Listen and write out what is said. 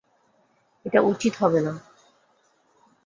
এটা উচিত হবে না।